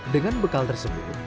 dengan bekal tersebut